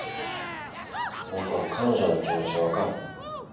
僕は彼女の気持ちわかる。